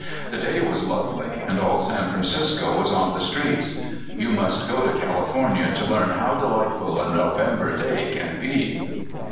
The day was lovely, and all San Francisco was on the streets. (You must go to California to learn how delightful a November day can be.)